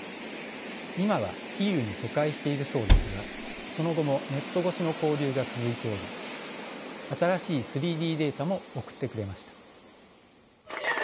いまはキーウに疎開しているそうですがその後もネット越しの交流が続いており新しい３Ｄデータも送ってくれました。